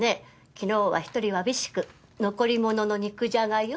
昨日は１人わびしく残り物の肉じゃがよ。